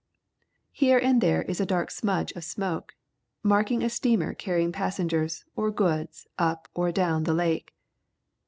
Here and there is a dark smudge of smoke, marking a steamer carrying passengers or goods up or down the lake.